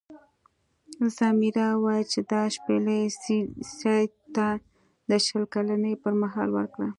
ځمیرا وویل چې دا شپیلۍ سید ته د شل کلنۍ پر مهال ورکړه.